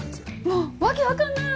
もう訳わかんない！